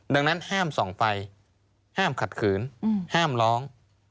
ดังนั้นห้ามส่องไฟห้ามขัดขืนห้ามร้อง